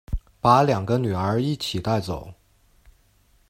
把两个女儿一起带走